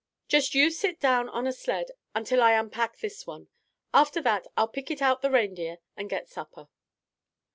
Just you sit down on a sled until I unpack this one. After that I'll picket out the reindeer and get supper."